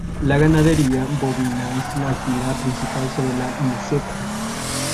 La ganadería bovina es la actividad principal sobre la meseta.